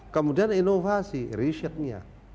kemudian inovasi risetnya